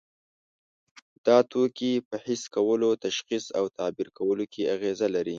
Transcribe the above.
دا توکي په حس کولو، تشخیص او تعبیر کولو کې اغیزه لري.